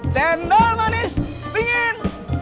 cendol manis dingin